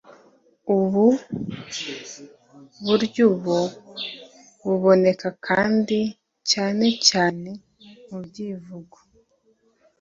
ubu buryobu boneka kandi cyane cyane mu byivugo